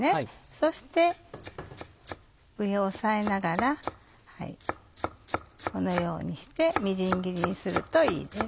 そして上を押さえながらこのようにしてみじん切りにするといいです。